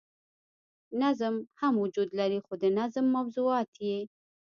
نظم هم وجود لري خو د نظم موضوعات ئې